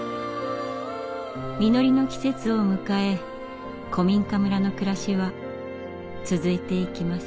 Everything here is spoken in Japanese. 実りの季節を迎え古民家村の暮らしは続いていきます。